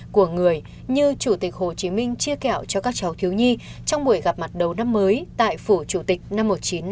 của người như chủ tịch hồ chí minh chia kẹo cho các cháu thiếu nhi trong buổi gặp mặt đầu năm mới tại phủ chủ tịch năm một nghìn chín trăm bảy mươi